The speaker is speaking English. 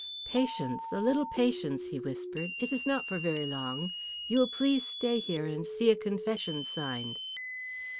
"Patience, a little patience," he whispered. "It is not for very long. You will please stay here and see a confession signed."